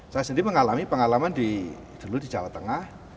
saya sendiri mengalami pengalaman dulu di jawa tengah